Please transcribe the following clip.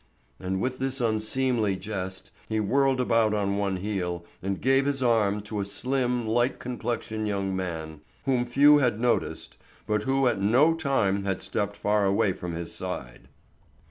And with this unseemly jest he whirled about on one heel and gave his arm to a slim, light complexion young man whom few had noticed, but who at no time had stepped far away from his side.